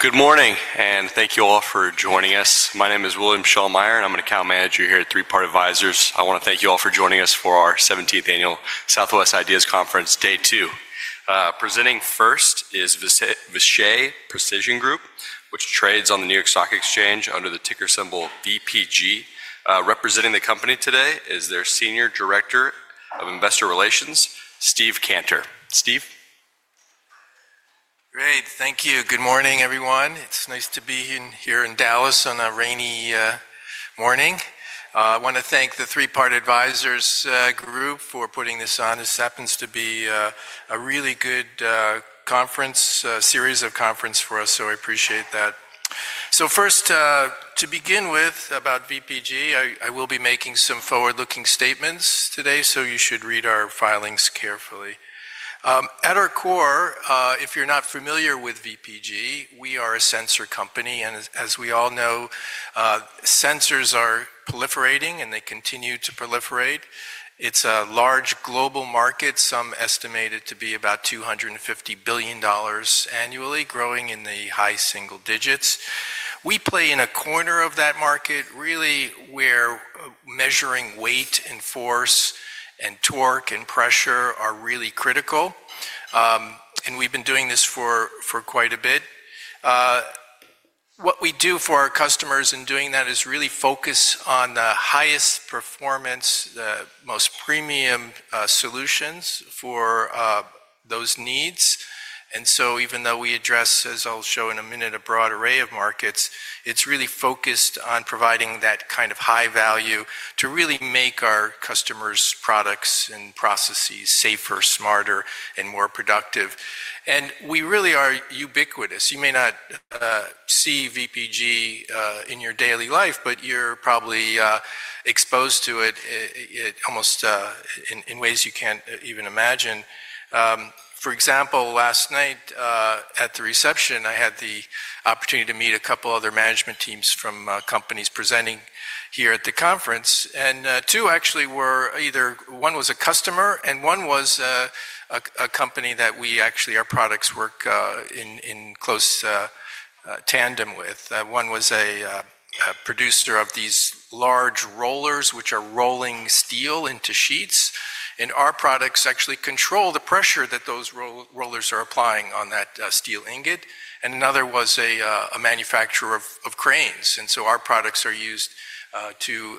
Good morning, and thank you all for joining us. My name is William Shaun Meyer, and I'm an account manager here at Three Part Advisors. I want to thank you all for joining us for our 17th Annual Southwest Ideas Conference Day 2. Presenting first is Vishay Precision Group, which trades on the New York Stock Exchange under the ticker symbol VPG. Representing the company today is their Senior Director of Investor Relations, Steve Cantor. Steve? Great, thank you. Good morning, everyone. It's nice to be here in Dallas on a rainy morning. I want to thank the Three Part Advisors Group for putting this on. This happens to be a really good series of conferences for us, so I appreciate that. First, to begin with about VPG, I will be making some forward-looking statements today, so you should read our filings carefully. At our core, if you're not familiar with VPG, we are a sensor company. And as we all know, sensors are proliferating, and they continue to proliferate. It's a large global market, some estimate it to be about $250 billion annually, growing in the high single digits. We play in a corner of that market, really, where measuring weight and force and torque and pressure are really critical. We've been doing this for quite a bit. What we do for our customers in doing that is really focus on the highest performance, the most premium solutions for those needs. Even though we address, as I'll show in a minute, a broad array of markets, it's really focused on providing that kind of high value to really make our customers' products and processes safer, smarter, and more productive. We really are ubiquitous. You may not see VPG in your daily life, but you're probably exposed to it almost in ways you can't even imagine. For example, last night at the reception, I had the opportunity to meet a couple of other management teams from companies presenting here at the conference. Two actually were either one was a customer, and one was a company that we actually our products work in close tandem with. One was a producer of these large rollers, which are rolling steel into sheets. Our products actually control the pressure that those rollers are applying on that steel ingot. Another was a manufacturer of cranes. Our products are used to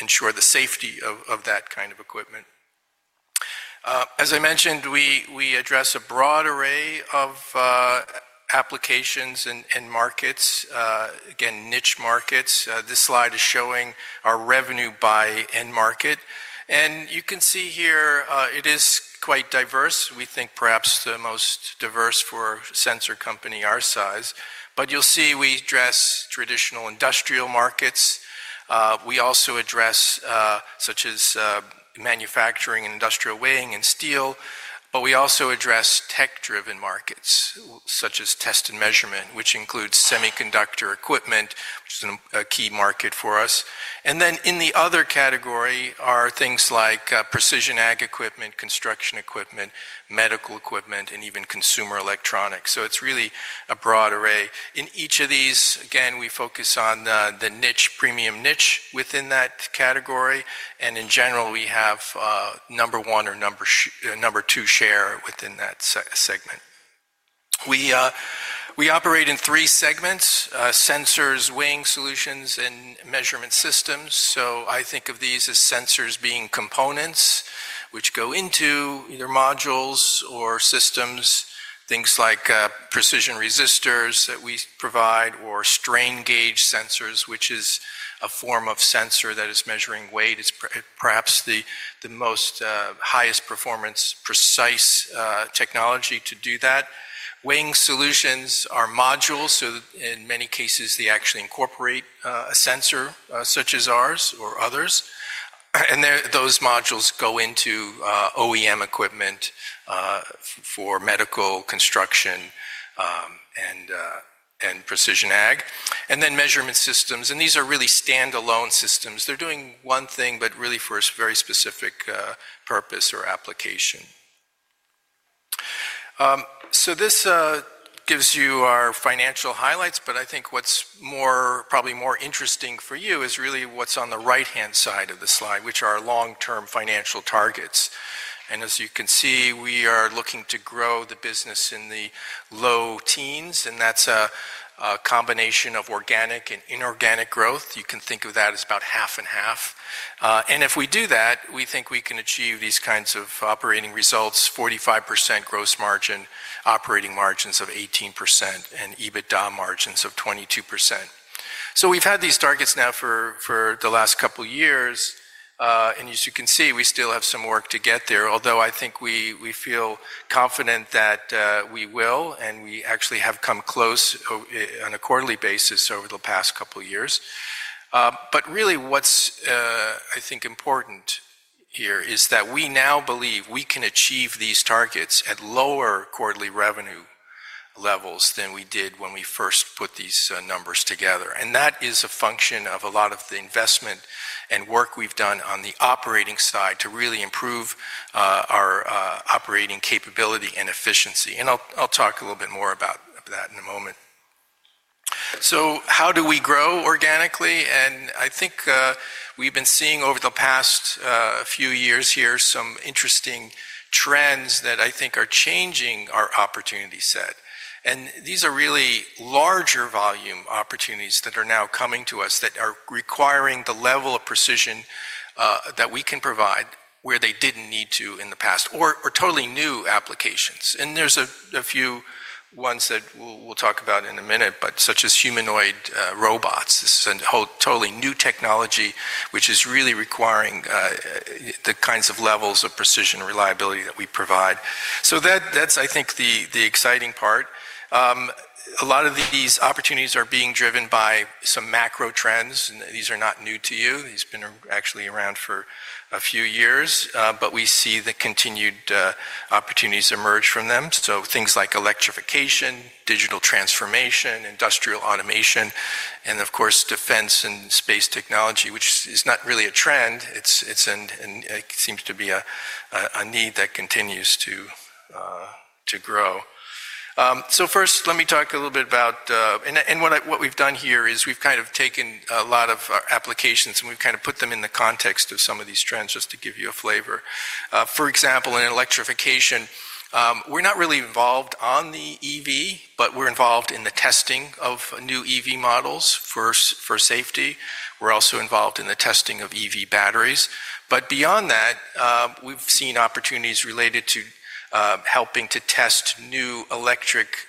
ensure the safety of that kind of equipment. As I mentioned, we address a broad array of applications and markets, again, niche markets. This slide is showing our revenue by end market. You can see here it is quite diverse. We think perhaps the most diverse for a sensor company our size. You will see we address traditional industrial markets. We also address such as manufacturing and industrial weighing and steel. We also address tech-driven markets, such as test and measurement, which includes semiconductor equipment, which is a key market for us. In the other category are things like precision ag equipment, construction equipment, medical equipment, and even consumer electronics. It is really a broad array. In each of these, again, we focus on the premium niche within that category. In general, we have number one or number two share within that segment. We operate in three segments: sensors, weighing solutions, and measurement systems. I think of these as sensors being components which go into either modules or systems, things like precision resistors that we provide, or strain gauge sensors, which is a form of sensor that is measuring weight. It is perhaps the most highest performance, precise technology to do that. Weighing solutions are modules. In many cases, they actually incorporate a sensor such as ours or others. Those modules go into OEM equipment for medical, construction, and precision ag. Then measurement systems. These are really standalone systems. They're doing one thing, but really for a very specific purpose or application. This gives you our financial highlights. I think what's probably more interesting for you is really what's on the right-hand side of the slide, which are our long-term financial targets. As you can see, we are looking to grow the business in the low teens. That's a combination of organic and inorganic growth. You can think of that as about half and half. If we do that, we think we can achieve these kinds of operating results: 45% gross margin, operating margins of 18%, and EBITDA margins of 22%. We've had these targets now for the last couple of years. As you can see, we still have some work to get there, although I think we feel confident that we will. We actually have come close on a quarterly basis over the past couple of years. What is important here is that we now believe we can achieve these targets at lower quarterly revenue levels than we did when we first put these numbers together. That is a function of a lot of the investment and work we have done on the operating side to really improve our operating capability and efficiency. I will talk a little bit more about that in a moment. How do we grow organically? I think we have been seeing over the past few years some interesting trends that I think are changing our opportunity set. These are really larger volume opportunities that are now coming to us that are requiring the level of precision that we can provide where they did not need to in the past, or totally new applications. There are a few ones that we will talk about in a minute, such as humanoid robots. This is a totally new technology, which is really requiring the kinds of levels of precision and reliability that we provide. I think that is the exciting part. A lot of these opportunities are being driven by some macro trends. These are not new to you. These have been actually around for a few years. We see the continued opportunities emerge from them. Things like electrification, digital transformation, industrial automation, and of course, defense and space technology, which is not really a trend. It seems to be a need that continues to grow. First, let me talk a little bit about what we've done here is we've kind of taken a lot of our applications, and we've kind of put them in the context of some of these trends just to give you a flavor. For example, in electrification, we're not really involved on the EV, but we're involved in the testing of new EV models for safety. We're also involved in the testing of EV batteries. Beyond that, we've seen opportunities related to helping to test new electric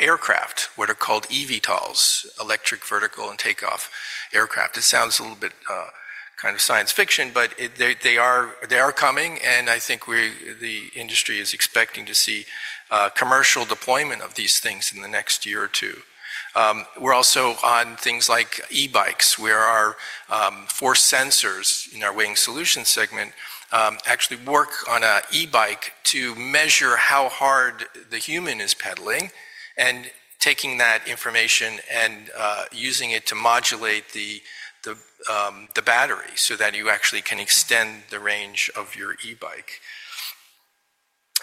aircraft, what are called eVTOLs, Electric Vertical and Takeoff Aircraft. It sounds a little bit kind of science fiction, but they are coming. I think the industry is expecting to see commercial deployment of these things in the next year or two. We're also on things like e-bikes, where our force sensors in our weighing solution segment actually work on an e-bike to measure how hard the human is pedaling and taking that information and using it to modulate the battery so that you actually can extend the range of your e-bike.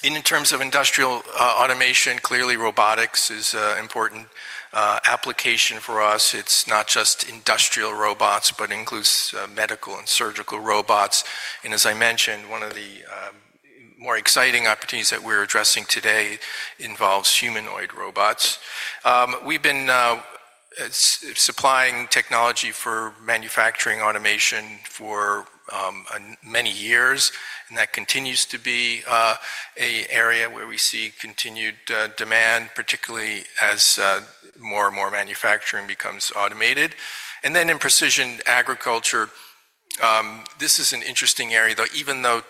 In terms of industrial automation, clearly, robotics is an important application for us. It's not just industrial robots, but it includes medical and surgical robots. As I mentioned, one of the more exciting opportunities that we're addressing today involves humanoid robots. We've been supplying technology for manufacturing automation for many years. That continues to be an area where we see continued demand, particularly as more and more manufacturing becomes automated. In precision agriculture, this is an interesting area, though. Even though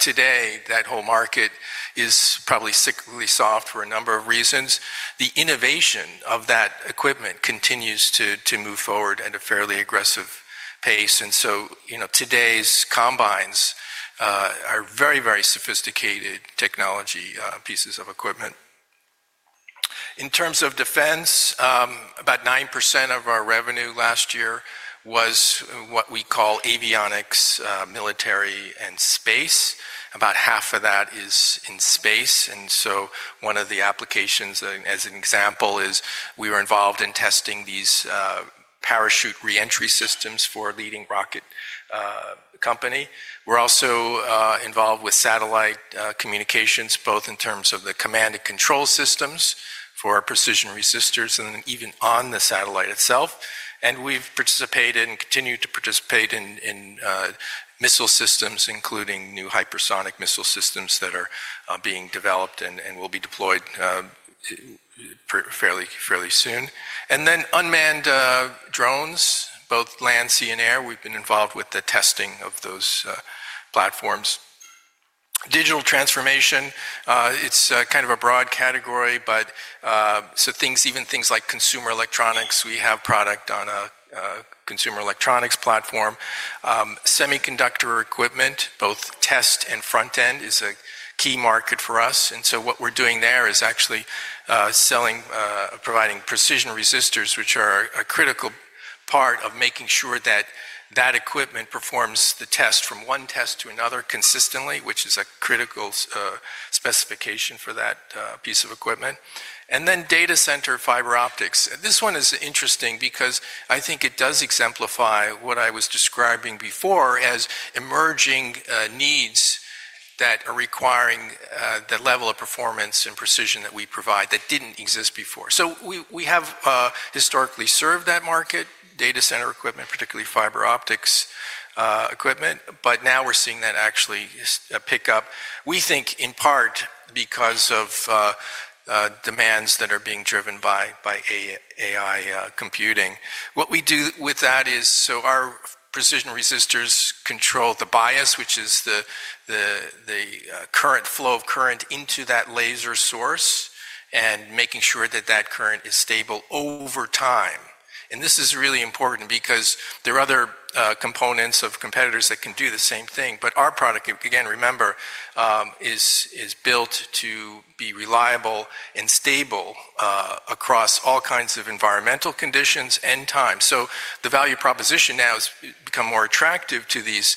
today that whole market is probably sickly soft for a number of reasons, the innovation of that equipment continues to move forward at a fairly aggressive pace. Today's combines are very, very sophisticated technology pieces of equipment. In terms of defense, about 9% of our revenue last year was what we call avionics, military, and space. About half of that is in space. One of the applications, as an example, is we were involved in testing these parachute reentry systems for a leading rocket company. We are also involved with satellite communications, both in terms of the command and control systems for precision resistors and even on the satellite itself. We have participated and continue to participate in missile systems, including new hypersonic missile systems that are being developed and will be deployed fairly soon. Unmanned drones, both land, sea, and air. We've been involved with the testing of those platforms. Digital transformation, it's kind of a broad category. Even things like consumer electronics, we have product on a consumer electronics platform. Semiconductor equipment, both test and front end, is a key market for us. What we're doing there is actually providing precision resistors, which are a critical part of making sure that that equipment performs the test from one test to another consistently, which is a critical specification for that piece of equipment. Data center fiber optics, this one is interesting because I think it does exemplify what I was describing before as emerging needs that are requiring the level of performance and precision that we provide that did not exist before. We have historically served that market, data center equipment, particularly fiber optics equipment. Now we're seeing that actually pick up, we think in part because of demands that are being driven by AI computing. What we do with that is our precision resistors control the bias, which is the current flow of current into that laser source and making sure that that current is stable over time. This is really important because there are other components of competitors that can do the same thing. Our product, again, remember, is built to be reliable and stable across all kinds of environmental conditions and time. The value proposition now has become more attractive to these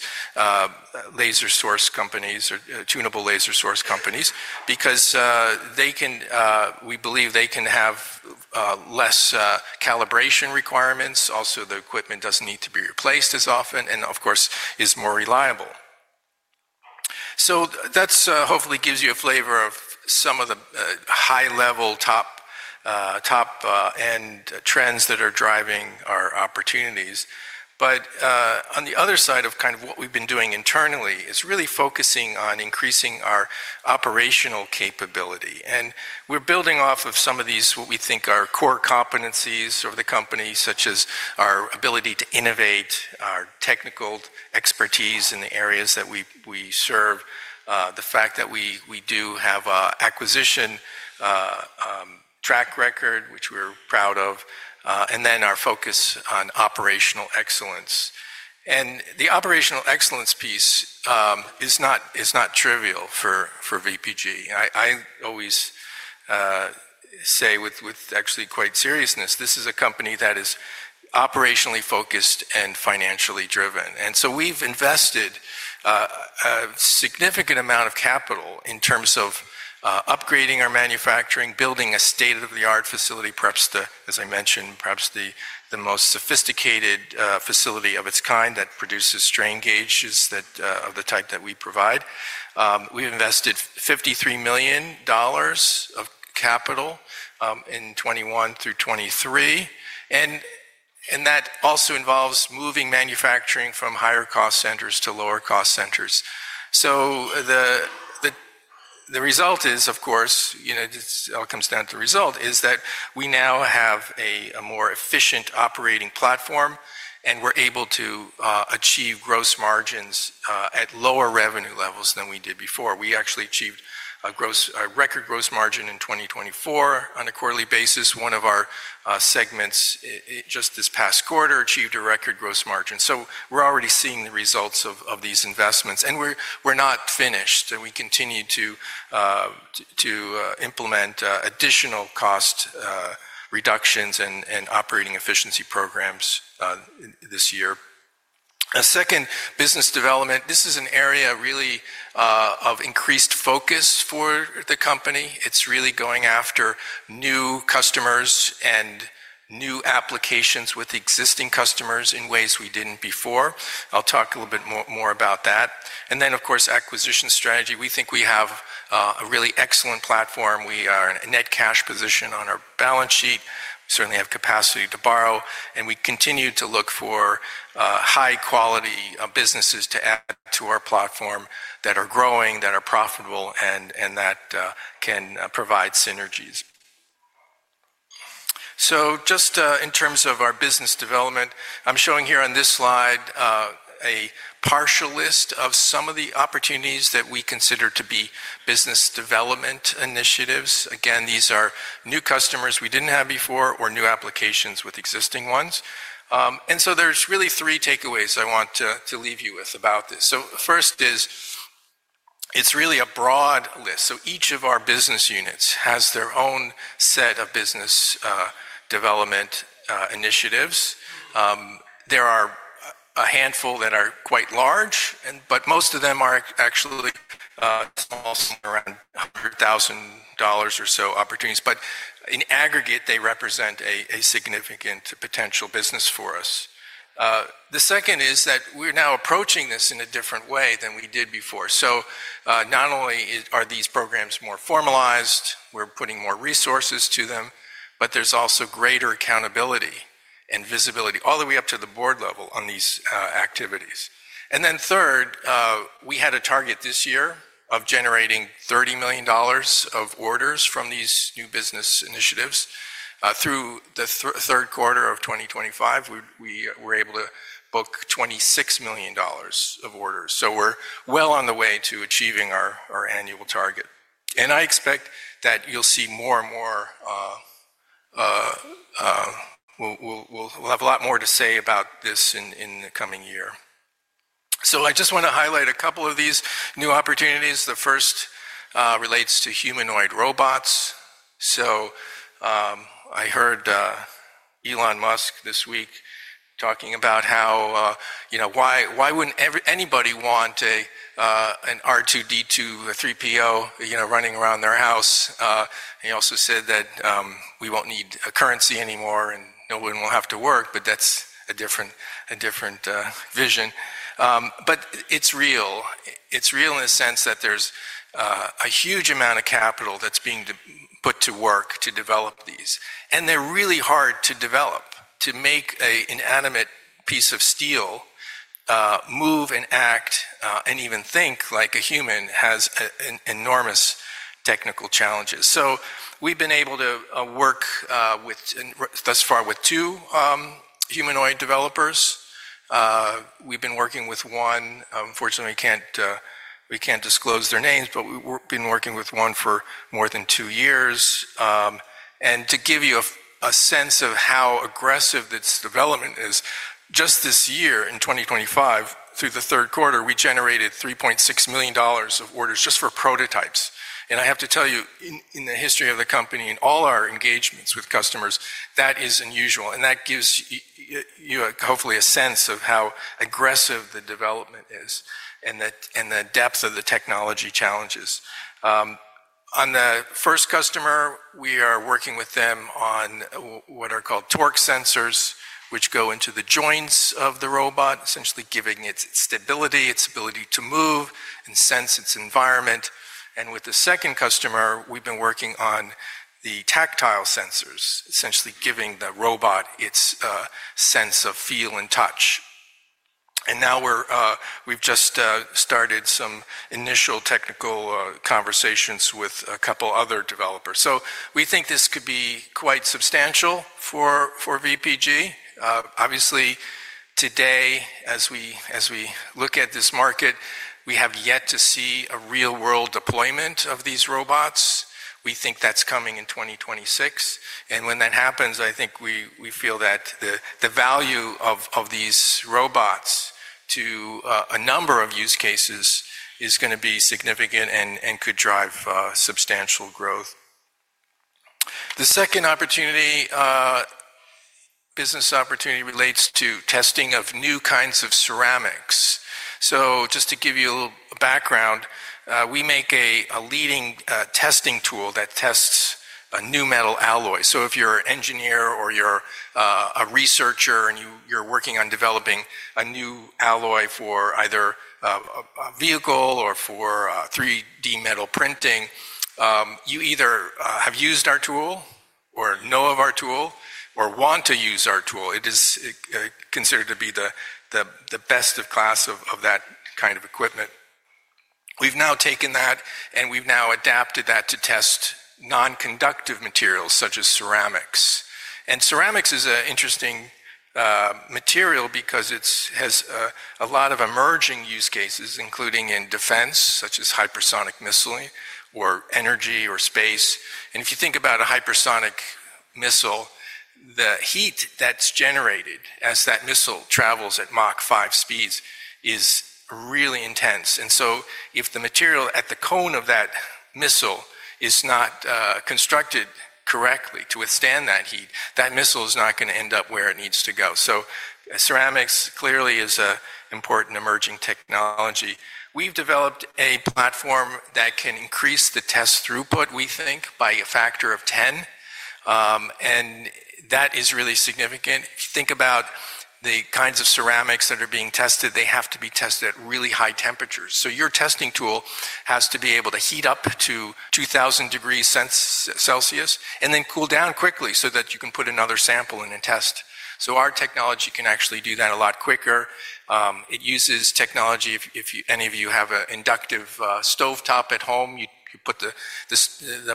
laser source companies or tunable laser source companies because we believe they can have less calibration requirements. Also, the equipment does not need to be replaced as often and, of course, is more reliable. That hopefully gives you a flavor of some of the high-level, top-end trends that are driving our opportunities. On the other side of kind of what we've been doing internally, it's really focusing on increasing our operational capability. We're building off of some of these what we think are core competencies of the company, such as our ability to innovate, our technical expertise in the areas that we serve, the fact that we do have an acquisition track record, which we're proud of, and then our focus on operational excellence. The operational excellence piece is not trivial for VPG. I always say with actually quite seriousness, this is a company that is operationally focused and financially driven. We have invested a significant amount of capital in terms of upgrading our manufacturing, building a state-of-the-art facility, perhaps, as I mentioned, perhaps the most sophisticated facility of its kind that produces strain gauges of the type that we provide. We have invested $53 million of capital in 2021 through 2023. That also involves moving manufacturing from higher-cost centers to lower-cost centers. The result is, of course, it all comes down to the result, that we now have a more efficient operating platform, and we are able to achieve gross margins at lower revenue levels than we did before. We actually achieved a record gross margin in 2024 on a quarterly basis. One of our segments just this past quarter achieved a record gross margin. We are already seeing the results of these investments. We are not finished. We continue to implement additional cost reductions and operating efficiency programs this year. A second business development, this is an area really of increased focus for the company. It's really going after new customers and new applications with existing customers in ways we did not before. I'll talk a little bit more about that. Of course, acquisition strategy. We think we have a really excellent platform. We are in a net cash position on our balance sheet. We certainly have capacity to borrow. We continue to look for high-quality businesses to add to our platform that are growing, that are profitable, and that can provide synergies. Just in terms of our business development, I'm showing here on this slide a partial list of some of the opportunities that we consider to be business development initiatives. Again, these are new customers we did not have before or new applications with existing ones. There are really three takeaways I want to leave you with about this. First, it is really a broad list. Each of our business units has their own set of business development initiatives. There are a handful that are quite large, but most of them are actually small, around $100,000 or so opportunities. In aggregate, they represent a significant potential business for us. The second is that we are now approaching this in a different way than we did before. Not only are these programs more formalized, we are putting more resources to them, but there is also greater accountability and visibility all the way up to the board level on these activities. Third, we had a target this year of generating $30 million of orders from these new business initiatives. Through the third quarter of 2025, we were able to book $26 million of orders. We are well on the way to achieving our annual target. I expect that you'll see more and more, we will have a lot more to say about this in the coming year. I just want to highlight a couple of these new opportunities. The first relates to humanoid robots. I heard Elon Musk this week talking about how why wouldn't anybody want an R2D2, a 3PO running around their house. He also said that we won't need a currency anymore and no one will have to work, but that is a different vision. It is real. It is real in the sense that there is a huge amount of capital that is being put to work to develop these. They're really hard to develop, to make an inanimate piece of steel move and act and even think like a human has enormous technical challenges. We have been able to work thus far with two humanoid developers. We have been working with one. Unfortunately, we cannot disclose their names, but we have been working with one for more than two years. To give you a sense of how aggressive this development is, just this year in 2025, through the third quarter, we generated $3.6 million of orders just for prototypes. I have to tell you, in the history of the company and all our engagements with customers, that is unusual. That gives you hopefully a sense of how aggressive the development is and the depth of the technology challenges. On the first customer, we are working with them on what are called torque sensors, which go into the joints of the robot, essentially giving it stability, its ability to move and sense its environment. With the second customer, we've been working on the tactile sensors, essentially giving the robot its sense of feel and touch. We have just started some initial technical conversations with a couple of other developers. We think this could be quite substantial for VPG. Obviously, today, as we look at this market, we have yet to see a real-world deployment of these robots. We think that's coming in 2026. When that happens, I think we feel that the value of these robots to a number of use cases is going to be significant and could drive substantial growth. The second business opportunity relates to testing of new kinds of ceramics. Just to give you a little background, we make a leading testing tool that tests a new metal alloy. If you're an engineer or you're a researcher and you're working on developing a new alloy for either a vehicle or for 3D metal printing, you either have used our tool or know of our tool or want to use our tool. It is considered to be the best of class of that kind of equipment. We've now taken that and we've now adapted that to test non-conductive materials such as ceramics. Ceramics is an interesting material because it has a lot of emerging use cases, including in defense, such as hypersonic missile or energy or space. If you think about a hypersonic missile, the heat that's generated as that missile travels at Mach 5 speeds is really intense. If the material at the cone of that missile is not constructed correctly to withstand that heat, that missile is not going to end up where it needs to go. Ceramics clearly is an important emerging technology. We've developed a platform that can increase the test throughput, we think, by a factor of 10. That is really significant. Think about the kinds of ceramics that are being tested. They have to be tested at really high temperatures. Your testing tool has to be able to heat up to 2,000 degrees Celsius and then cool down quickly so that you can put another sample in and test. Our technology can actually do that a lot quicker. It uses technology. If any of you have an inductive stovetop at home, you put the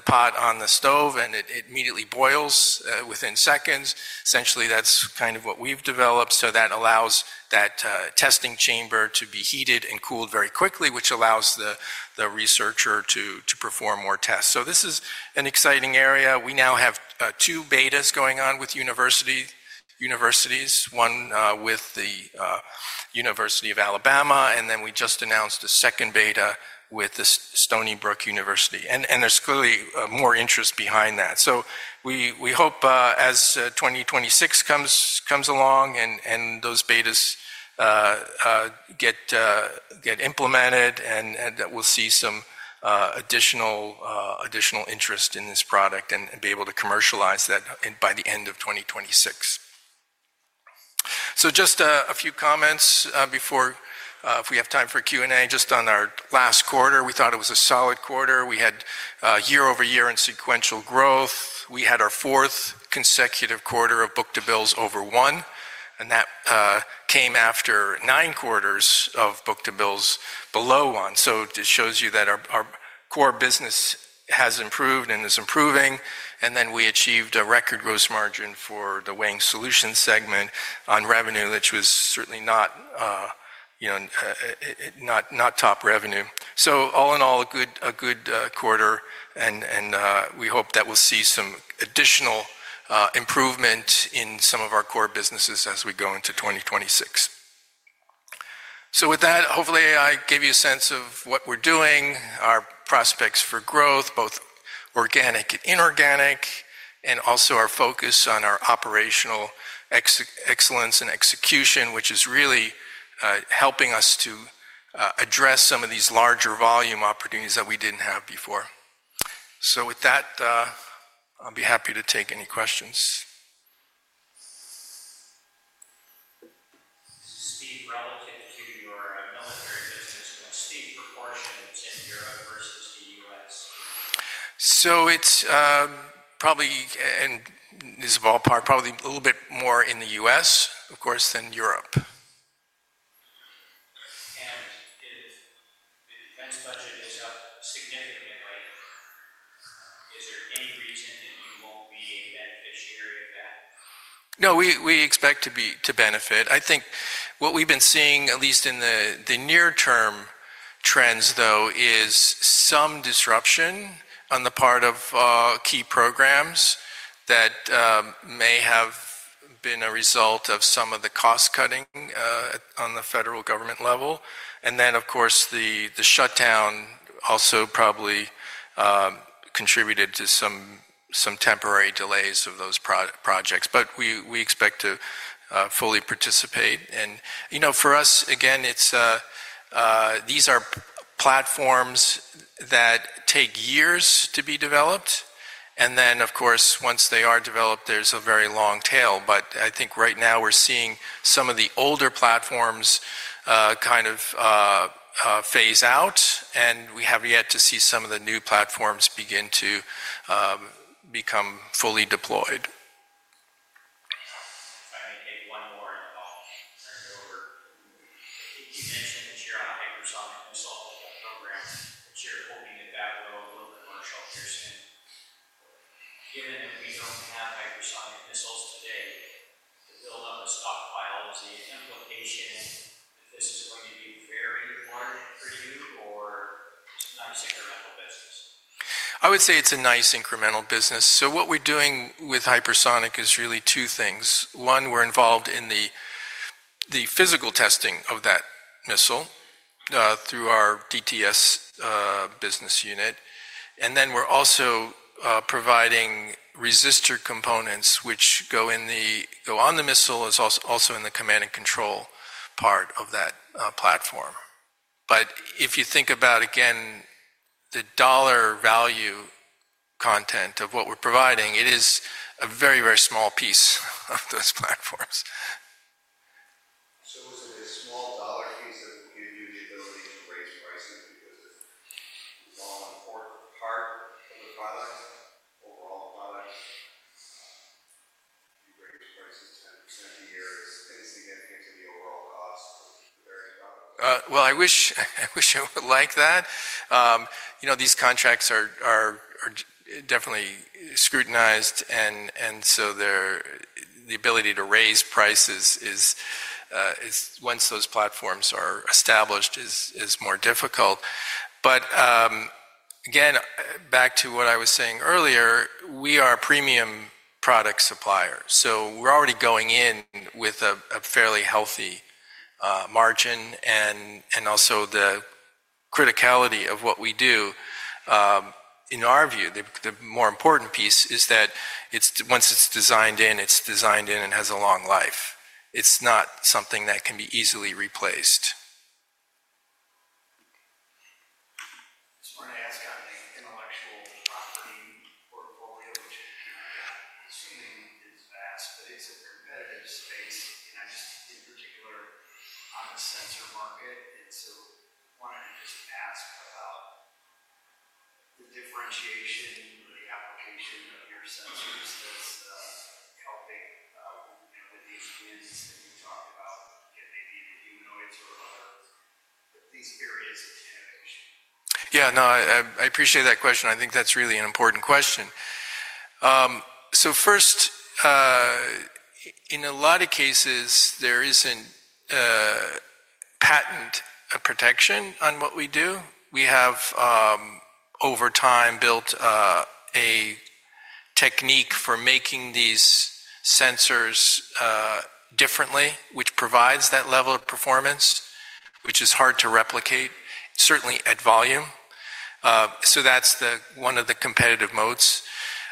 pot on the stove and it immediately boils within seconds. Essentially, that's kind of what we've developed. That allows that testing chamber to be heated and cooled very quickly, which allows the researcher to perform more tests. This is an exciting area. We now have two betas going on with universities, one with the University of Alabama, and then we just announced a second beta with Stony Brook University. There is clearly more interest behind that. We hope as 2026 comes along and those betas get implemented that we'll see some additional interest in this product and be able to commercialize that by the end of 2026. Just a few comments before, if we have time for Q&A, just on our last quarter, we thought it was a solid quarter. We had year-over-year and sequential growth. We had our fourth consecutive quarter of book to bills over one. That came after nine quarters of book to bills below one. It shows you that our core business has improved and is improving. We achieved a record gross margin for the Weighing Solutions segment on revenue, which was certainly not top revenue. All in all, a good quarter. We hope that we'll see some additional improvement in some of our core businesses as we go into 2026. Hopefully, I gave you a sense of what we're doing, our prospects for growth, both organic and inorganic, and also our focus on our operational excellence and execution, which is really helping us to address some of these larger volume opportunities that we did not have before. I will be happy to take any questions. Steve Cantor, Steve Cantor, relative to your military business, what's the proportion in Europe versus the U.S.? It is probably, and this is a ballpark, probably a little bit more in the U.S., of course, than Europe. The defense budget is up significantly. Is there any reason that you will not be a beneficiary of that? No, we expect to benefit. I think what we have been seeing, at least in the near-term trends, though, is some disruption on the part of key programs that may have been a result of some of the cost-cutting on the federal government level. The shutdown also probably contributed to some temporary delays of those projects. We expect to fully participate. For us, again, these are platforms that take years to be developed. Once they are developed, there is a very long tail. I think right now we are seeing some of the older platforms kind of phase out. We have yet to see some of the new platforms begin to become fully deployed. I am going to take one more and I will turn it over. You mentioned that you are on hypersonic missile program. Would you hold me to that role a little bit more, Shelterson? Given that we do not have hypersonic missiles today, to build up a stockpile, is the implication that this is going to be very important for you or it is a nice incremental business? I would say it is a nice incremental business. What we are doing with hypersonic is really two things. One, we are involved in the physical testing of that missile through our DTS business unit. We are also providing resistor components, which go on the missile and also in the command and control part of that platform. If you think about, again, the dollar value content of what we're providing, it is a very, very small piece of those platforms. Is it a small dollar piece that will give you the ability to raise prices because it's a long important part of the overall product? If you raise prices 10% a year, it's insignificant to the overall cost of the very product. I wish I would like that. These contracts are definitely scrutinized. The ability to raise prices once those platforms are established is more difficult. Again, back to what I was saying earlier, we are a premium product supplier. We're already going in with a fairly healthy margin. Also, the criticality of what we do, in our view, the more important piece is that once it's designed in, it's designed in and has a long life. It's not something that can be easily replaced. I just wanted to ask on the intellectual property portfolio, which I'm assuming is vast, but it's a competitive space, just in particular on the sensor market. I wanted to just ask about the differentiation or the application of your sensors that's helping with these wins that you talked about, maybe in the humanoids or other these areas of innovation. Yeah, I appreciate that question. I think that's really an important question. First, in a lot of cases, there isn't patent protection on what we do. We have, over time, built a technique for making these sensors differently, which provides that level of performance, which is hard to replicate, certainly at volume. That's one of the competitive modes.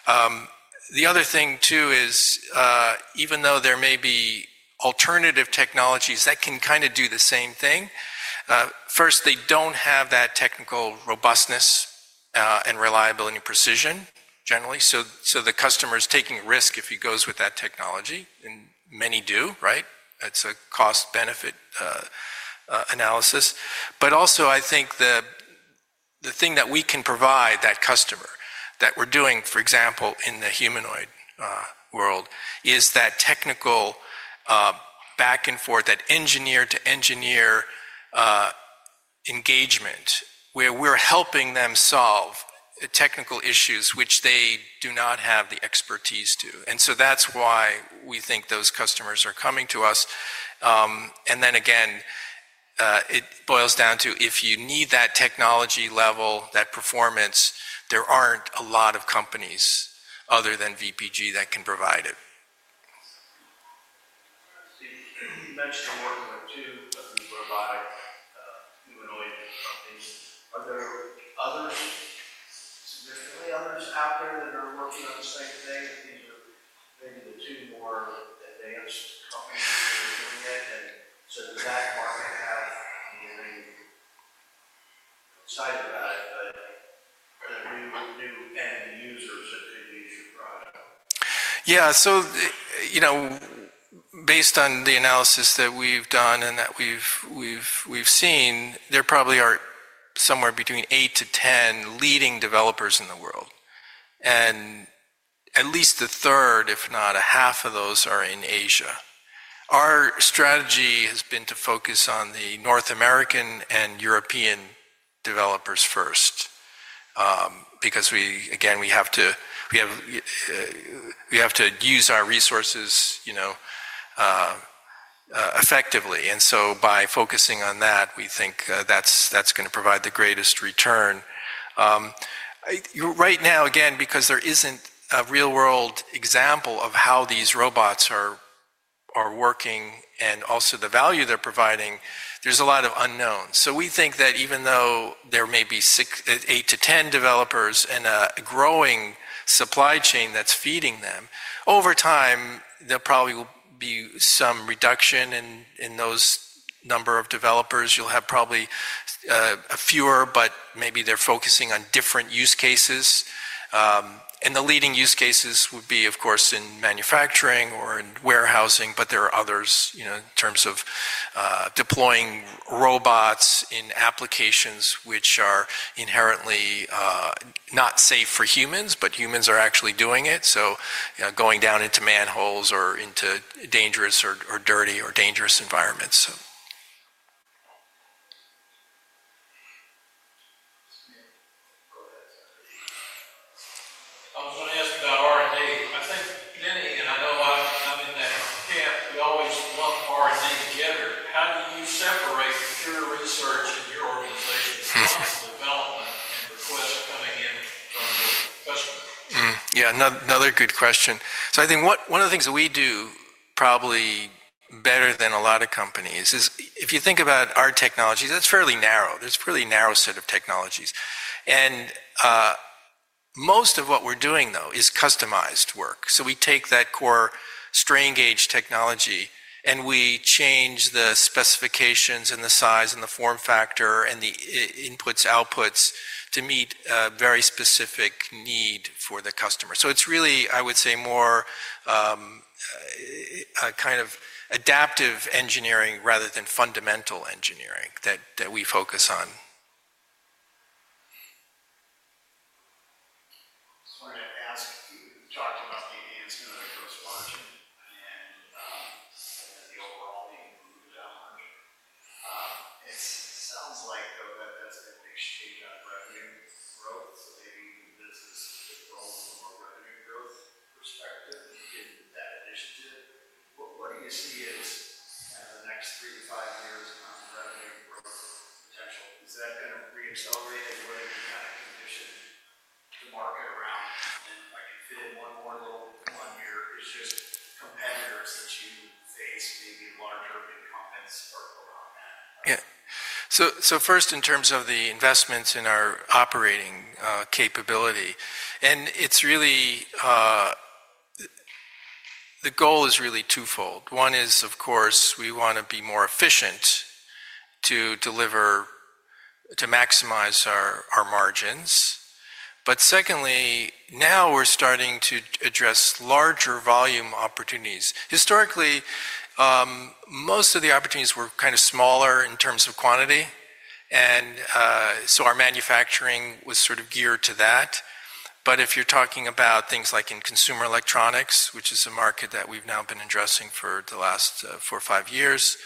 The other thing too is, even though there may be alternative technologies that can kind of do the same thing, first, they do not have that technical robustness and reliability and precision generally. The customer is taking a risk if he goes with that technology, and many do, right? It is a cost-benefit analysis. Also, I think the thing that we can provide that customer that we are doing, for example, in the humanoid world, is that technical back and forth, that engineer-to-engineer engagement, where we are helping them solve technical issues which they do not have the expertise to. That is why we think those customers are coming to us. It boils down to if you need that technology level, that performance, there are not a lot of companies other than VPG that can provide it. You mentioned a workload too of these robotic humanoid things. Are there significantly others out there that are working on the same thing? These are maybe the two more advanced companies that are doing it. Does that market have a very excited about it, but the new end users that could use your product? Yeah. Based on the analysis that we've done and that we've seen, there probably are somewhere between 8-10 leading developers in the world. At least a third, if not a half of those, are in Asia. Our strategy has been to focus on the North American and European developers first because, again, we have to use our resources effectively. By focusing on that, we think that's going to provide the greatest return. Right now, again, because there isn't a real-world example of how these robots are working and also the value they're providing, there's a lot of unknowns. We think that even though there may be 8 to 10 developers and a growing supply chain that's feeding them, over time, there probably will be some reduction in those number of developers. You'll have probably fewer, but maybe they're focusing on different use cases. The leading use cases would be, of course, in manufacturing or in warehousing, but there are others in terms of deploying robots in applications which are inherently not safe for humans, but humans are actually doing it. Going down into manholes or into dangerous or dirty or dangerous environments. I was going to ask about R&D. I think many, and I know I'm in that camp, we always want R&D together. How do you separate your research and your organization's development and request coming in from the customer? Yeah, another good question. I think one of the things we do probably better than a lot of companies is if you think about our technologies, that's fairly narrow. There's a fairly narrow set of technologies. Most of what we're doing, though, is customized work. We take that core strain gauge technology and we change the specifications and the size and the form factor and the inputs, outputs to meet a very specific need for the customer. It's really, I would say, more kind of adaptive engineering rather than fundamental engineering that we focus on. I just wanted to ask, you talked about the advancement of the first margin and the overall need to move that margin. It sounds like, though, that that's a big stage on revenue growth. Maybe even business is growth from a revenue growth perspective. You didn't put that addition to it. What do you see as kind of the next three to five years on revenue growth potential? Is that going to reaccelerate in whatever kind of condition the market around? If I can fit in one more little one here, it's just competitors that you face, maybe larger incumbents are around that. Yeah. First, in terms of the investments in our operating capability, the goal is really twofold. One is, of course, we want to be more efficient to maximize our margins. Secondly, now we're starting to address larger volume opportunities. Historically, most of the opportunities were kind of smaller in terms of quantity. Our manufacturing was sort of geared to that. If you're talking about things like in consumer electronics, which is a market that we've now been addressing for the last four or five years,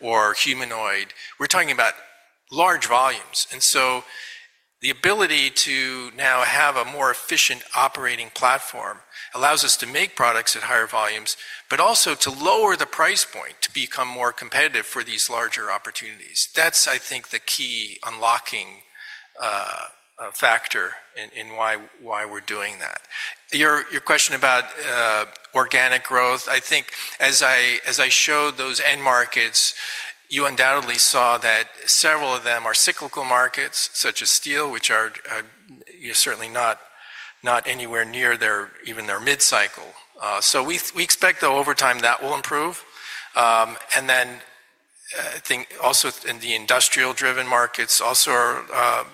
or humanoid, we're talking about large volumes. The ability to now have a more efficient operating platform allows us to make products at higher volumes, but also to lower the price point to become more competitive for these larger opportunities. That's, I think, the key unlocking factor in why we're doing that. Your question about organic growth, I think as I showed those end markets, you undoubtedly saw that several of them are cyclical markets, such as steel, which are certainly not anywhere near even their mid-cycle. We expect, though, over time that will improve. I think also in the industrial-driven markets, those also are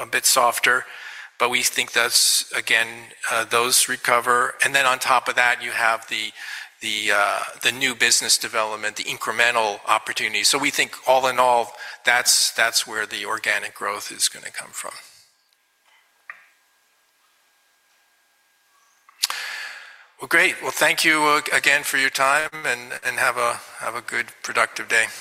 a bit softer. We think that's, again, those recover. On top of that, you have the new business development, the incremental opportunity. We think all in all, that is where the organic growth is going to come from. Great. Thank you again for your time and have a good productive day.